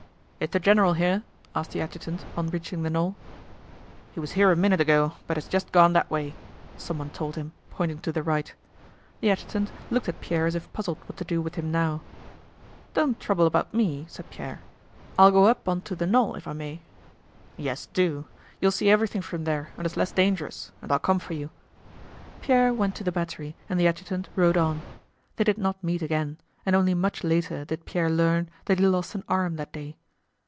"Is the general here?" asked the adjutant on reaching the knoll. "He was here a minute ago but has just gone that way," someone told him, pointing to the right. The adjutant looked at Pierre as if puzzled what to do with him now. "Don't trouble about me," said Pierre. "I'll go up onto the knoll if I may?" "Yes, do. You'll see everything from there and it's less dangerous, and I'll come for you." Pierre went to the battery and the adjutant rode on. They did not meet again, and only much later did Pierre learn that he lost an arm that day.